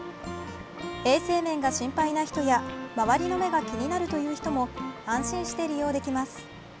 衛生面が心配な人や周りの目が気になるという人も安心して利用できます。